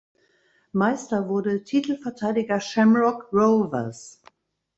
Meister wurde Titelverteidiger Shamrock Rovers.